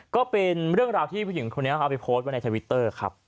ก็เป็นเรื่องราวที่ผู้หญิงคนนี้เอาไปโพสต์ไว้ในทวิตเตอร์ครับ